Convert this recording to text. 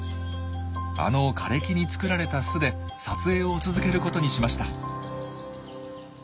あの枯れ木に作られた巣で撮影を続けることにしました。